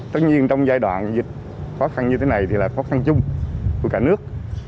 tất nhiên trong giai đoạn dịch khó khăn như thế này thì là khó khăn chung của cả nước